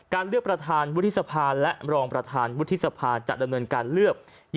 เลือกประธานวุฒิสภาและรองประธานวุฒิสภาจะดำเนินการเลือก